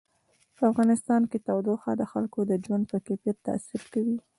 په افغانستان کې تودوخه د خلکو د ژوند په کیفیت تاثیر کوي.